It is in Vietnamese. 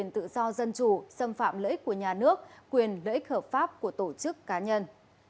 tự do dân chủ xâm phạm lợi ích của nhà nước quyền lợi ích hợp pháp của tổ chức cá nhân